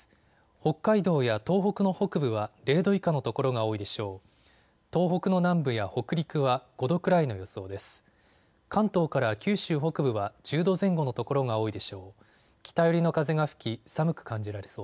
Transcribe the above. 北海道や東北の北部は０度以下の所が多いでしょう。